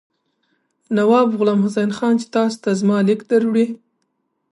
نواب غلام حسین خان چې تاسو ته زما لیک دروړي.